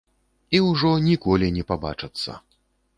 І ўжо ніколі не пабачацца.